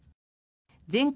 全国